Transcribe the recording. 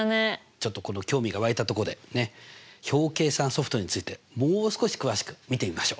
ちょっと興味が湧いたとこで表計算ソフトについてもう少し詳しく見てみましょう。